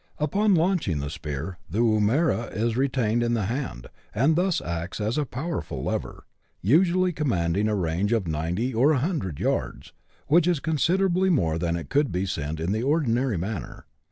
Upon launching the spear, the woomera is retained in the hand, and thus acts as a powerful lever, usually commanding a range of 90 or 1 00 yards, which is considerably more than it could be sent in the ordinary manner.